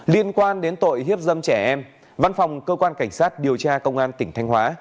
liên quan đến tội hiếp dâm trẻ em văn phòng cơ quan cảnh sát điều tra công an tỉnh thanh hóa